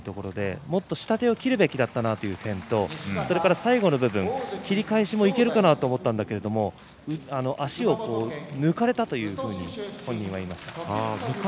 もっと下手を切るべきだったなという点と最後の部分、切り返しもいけるかなと思ったんだけど足を抜かれたというふうに本人は言いました。